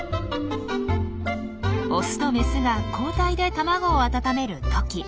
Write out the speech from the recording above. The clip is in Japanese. オスとメスが交代で卵を温めるトキ。